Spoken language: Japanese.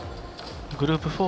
グループ